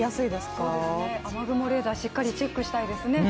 雨雲レーダー、しっかりチェックしたいですね。